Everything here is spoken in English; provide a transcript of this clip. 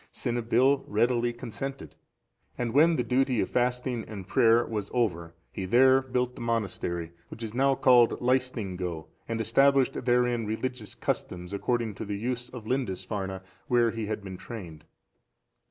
Cynibill readily consented, and when the duty of fasting and prayer was over, he there built the monastery, which is now called Laestingaeu,(427) and established therein religious customs according to the use of Lindisfarne, where he had been trained.